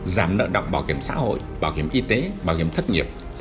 giảm nợ động bảo hiểm xã hội bảo hiểm y tế bảo hiểm thất nghiệp